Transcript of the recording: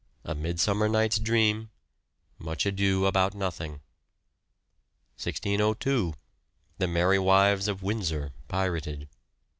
A Midsummer Night's Dream. Much Ado About Nothing. 1602 The Merry Wives of Windsor (pirated).